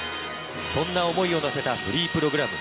そんな思いを乗せたフリープログラム